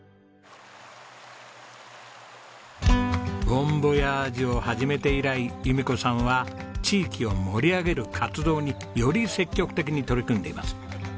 「母ん母親父」を始めて以来由美子さんは地域を盛り上げる活動により積極的に取り組んでいます。